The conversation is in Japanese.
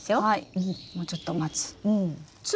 もうちょっと待つ。